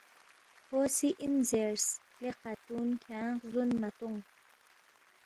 کھو سی اِن زیرس، ”لے خاتُون کھیانگ غزون مہ تونگ